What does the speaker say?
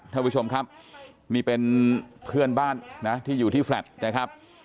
ท่านผู้ชมครับนี่เป็นเพื่อนบ้านนะที่อยู่ที่แฟลต์นะครับ